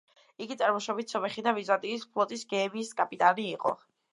იგი წარმოშობით სომეხი და ბიზანტიის ფლოტის გემის კაპიტანი იყო.